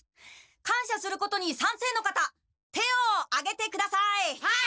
感しゃすることにさんせいの方手をあげてください。